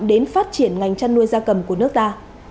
đến phát triển ngành chăn nuôi da cầm của nước ta